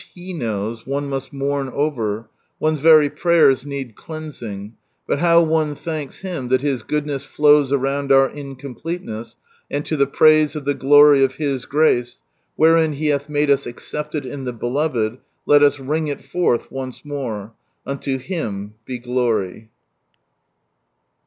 He knows, one must mourn over : one's very prayers need cleansing, but how one thanks Him that His " Goodness flows around our incompleteness," and to the praise of the glory of His grace, wherein He hath made us accepted in the Beloved, let us ring it forth once more —unto Him be glory